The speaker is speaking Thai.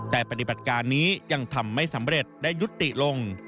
แต่ปฏิบัติการนี้ยังทำไม่สำเร็จได้ยุติลง